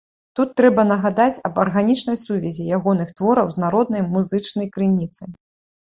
Тут трэба нагадаць аб арганічнай сувязі ягоных твораў з народнай музычнай крыніцай.